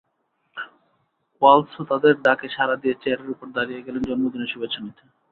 ওয়ালশও তাদের ডাকে সাড়া দিয়ে চেয়ারের ওপর দাঁড়িয়ে গেলেন জন্মদিনের শুভেচ্ছা নিতে।